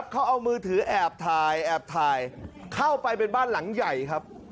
เขาเอามือถือแอบถ่ายแอบถ่ายเข้าไปเป็นบ้านหลังใหญ่ครับ